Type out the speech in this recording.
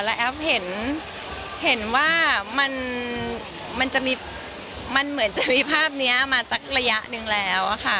แล้วแอฟเห็นว่ามันจะมีมันเหมือนจะมีภาพนี้มาสักระยะหนึ่งแล้วค่ะ